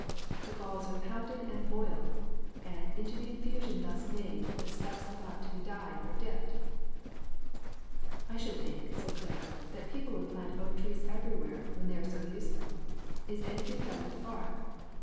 The galls are pounded and boiled, and into the infusion thus made the stuffs about to be dyed are dipped,'" "I should think," said Clara, "that people would plant oak trees everywhere, when they are so useful. Is anything done with the bark?"